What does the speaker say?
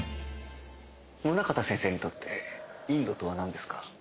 宗方先生にとってインドとはなんですか？